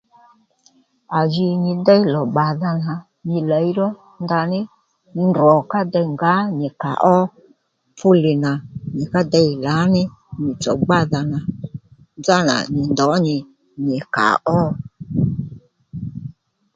À ji nyi dey lò bbàdha nà nyi lày ró ndaní ndrò ka dey ngǎ nyì kà ó fuli nà nyì ka dey lǎní nyi tsò gbádha nà nzánà nyì ndǒ nyì nyì kà ó